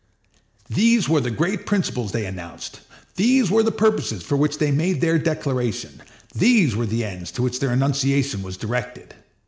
These were the great principles they announced; these were the purposes for which they made their declaration; these were the ends to which their enunciation was directed.